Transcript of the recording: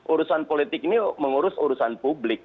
urusan politik ini mengurus urusan publik